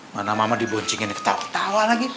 mana mama diboncingin ketawa ketawa lagi